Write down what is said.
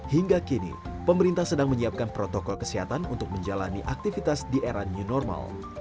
hingga kini pemerintah sedang menyiapkan protokol kesehatan untuk menjalani aktivitas di era new normal